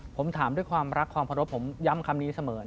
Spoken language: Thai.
ผมถามด้วยความรักความเคารพผมย้ำคำนี้เสมอ